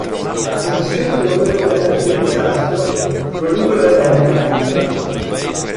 La commissione che doveva indagare sul disastro lo liberò da ogni accusa.